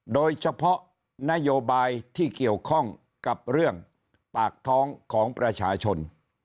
โดยเฉพาะนโยบายที่เกี่ยวข้องกับเรื่องปากท้องของประชาชน